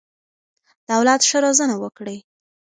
د اولاد ښه روزنه وکړئ.